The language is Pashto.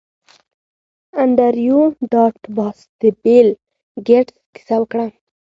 انډریو ډاټ باس د بیل ګیټس کیسه وکړه